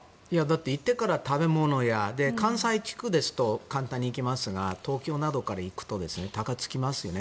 行ってから食べ物など関西地区ですと簡単に行けますが東京などから行くと高くつきますよね。